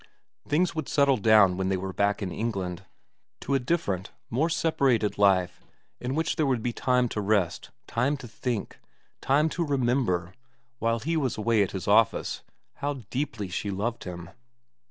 Things would settle down when they were back in England, to a different, more separated life in which there would be time to rest, time to think ; time to remember, while he was away at his office, how deeply she loved him.